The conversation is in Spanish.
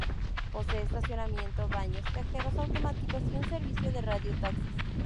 Posee estacionamiento, baños, cajeros automáticos y un servicio de radio taxis.